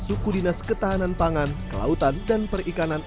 suku dinas ketahanan pangan kelautan dan perikanan